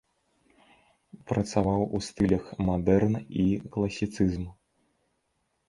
Працаваў у стылях мадэрн і класіцызм.